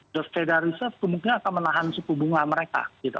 dospeda riset kemungkinan akan menahan suku bunga mereka gitu